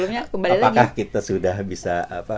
apakah kita sudah bisa